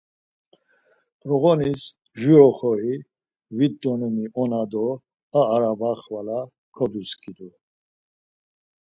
P̌roğonis jur oxori, vit donimi ona do ar araba xvala kodoskidu.